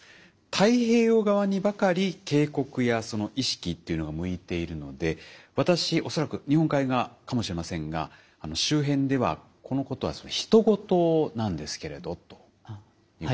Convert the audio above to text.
太平洋側にばかり警告や意識というのが向いているので私恐らく日本海側かもしれませんが周辺ではこのことは他人事なんですけれどということですが。